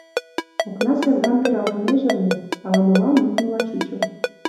Окна сергам пералтынеже ыле, ала-молан лӱдмыла чучо.